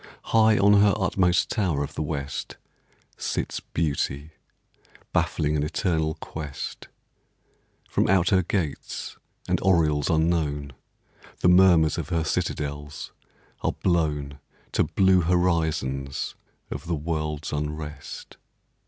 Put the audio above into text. High on her utmost tower of the West Sits Beauty, baffling an eternal quest; From out her gates and oriels unknown The murmurs of her citadels are blown To blue horizons of the world's unrest.